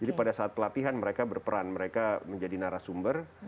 jadi pada saat pelatihan mereka berperan mereka menjadi narasumber